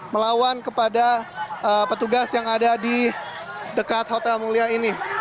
melawan kepada petugas yang ada di dekat hotel mulia ini